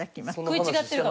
食い違ってるかも。